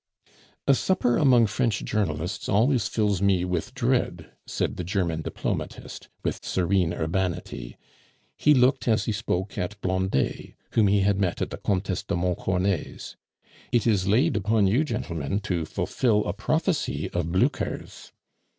"A supper among French journalists always fills me with dread," said the German diplomatist, with serene urbanity; he looked as he spoke at Blondet, whom he had met at the Comtesse de Montcornet's. "It is laid upon you, gentlemen, to fulfil a prophecy of Blucher's."